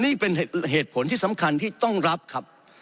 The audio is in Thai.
นี่เป็นเหตุผลที่สำคัญที่ต้องรับครับ